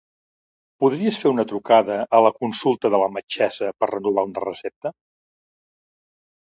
Podries fer una trucada la consulta de la metgessa per a renovar una recepta?